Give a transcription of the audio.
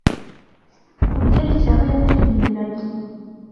Kubyerekeye aho yapfiriye ibiragi,